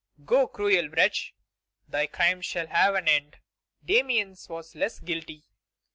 Go, cruel wretch; thy crimes shall have an end. Damiens was less guilty.